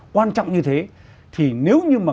quan trọng như thế thì nếu như